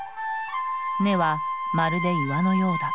根はまるで岩のようだ。